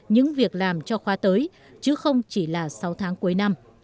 những việc làm cho khóa tới chứ không chỉ là sáu tháng cuối năm